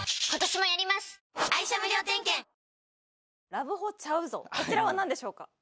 「“ラブホちゃうぞ！”」。こちらはなんでしょうか？